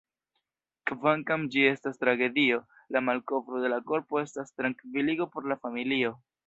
Kvankam ĝi estas tragedio, la malkovro de la korpo estas trankviligo por la familio.